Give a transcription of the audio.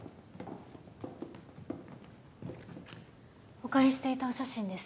お借りしていたお写真です。